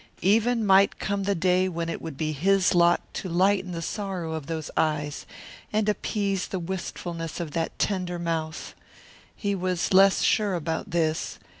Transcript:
Even might come the day when it would be his lot to lighten the sorrow of those eyes and appease the wistfulness of that tender mouth. He was less sure about this.